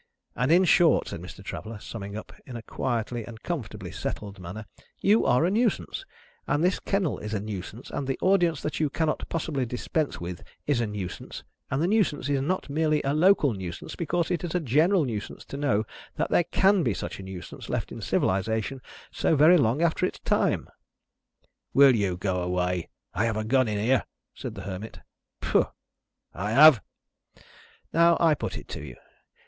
and in short," said Mr. Traveller, summing up in a quietly and comfortably settled manner, "you are a Nuisance, and this kennel is a Nuisance, and the audience that you cannot possibly dispense with is a Nuisance, and the Nuisance is not merely a local Nuisance, because it is a general Nuisance to know that there can be such a Nuisance left in civilisation so very long after its time." "Will you go away? I have a gun in here," said the Hermit. "Pooh!" "I have!" "Now, I put it to you.